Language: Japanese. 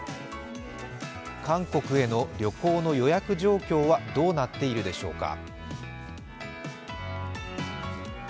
韓国への旅行の予約状況はどうなっているでしょうか。